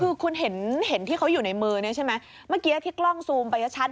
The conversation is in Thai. คือคุณเห็นที่เขาอยู่ในมือเนี่ยใช่ไหมเมื่อกี้ที่กล้องซูมไปชัด